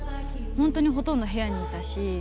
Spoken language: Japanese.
本当にほとんど部屋にいたし。